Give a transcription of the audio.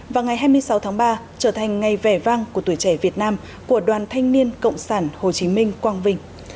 và ngày hai mươi sáu tháng ba trở thành ngày vẻ vang của tuổi trẻ việt nam của đoàn thanh niên cộng sản hồ chí minh quang vinh